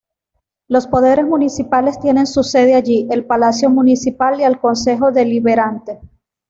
Los poderes municipales tienen su sede allí: el palacio municipal y el concejo deliberante.